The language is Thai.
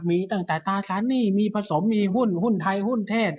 มีตั้งแต่ตราสารหนี้มีผสมมีหุ้นหุ้นไทยหุ้นเทศ